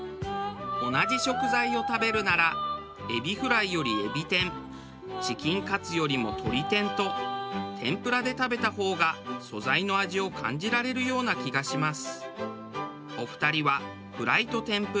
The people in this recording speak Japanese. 同じ食材を食べるならエビフライよりエビ天チキンカツよりもとり天と天ぷらで食べた方が素材の味を感じられるような気がします。